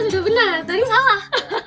oh sudah benar tadi salah